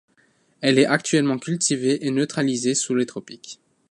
Elle est actuellement cultivée et naturalisée sous les tropiques.